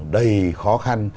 đầy khó khăn